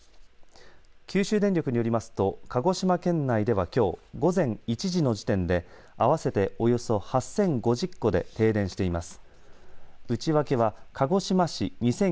九州電力によりますと鹿児島県内ではきょう午前１時の時点で合わせておよそ８０５０戸で停電しています。